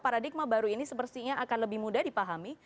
paradigma baru ini sepertinya akan lebih mudah dipahami